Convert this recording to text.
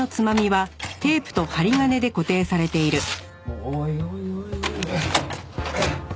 おいおいおいおい。